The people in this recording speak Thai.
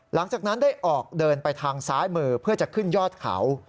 หลังจากนั้นได้ออกเดินไปทางซ้ายมือเพื่อจะขึ้นยอดเขา